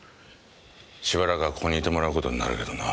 しばらくはここにいてもらう事になるけどな。